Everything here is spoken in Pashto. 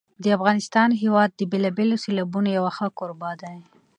د افغانستان هېواد د بېلابېلو سیلابونو یو ښه کوربه دی.